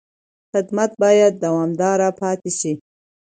خدمت باید دوامداره پاتې شي.